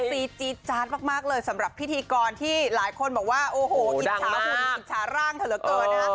เซ็บซีจีจานมากเลยสำหรับพิธีกรที่หลายคนบอกว่าโอ้โหกิจฉาฝุ่นกิจฉาร่างเถลอเกิน